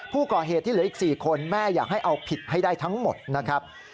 ผู้ก่อเหตุที่เหลืออีก๔คนแม่อยากให้เอาผิดให้ได้ทั้งหมดนะครับ